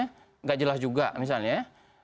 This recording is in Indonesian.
nggak jelas juga misalnya